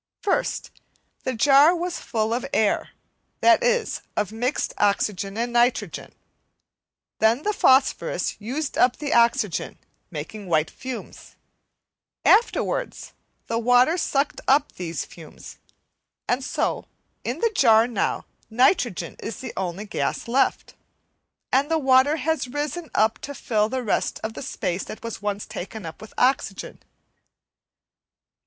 First, the jar was full of air, that is, of mixed oxygen and nitrogen; then the phosphorus used up the oxygen making white fumes; afterwards, the water sucked up these fumes; and so, in the jar now nitrogen is the only gas left, and the water has risen up to fill all the rest of the space that was once taken up with oxygen.